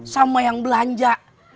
sama yang belanja